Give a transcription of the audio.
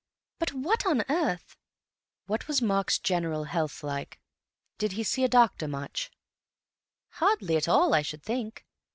But what on earth—" "What was Mark's general health like? Did he see a doctor much?" "Hardly at all, I should think.